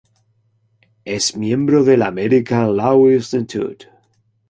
Es miembro del American Law Institute.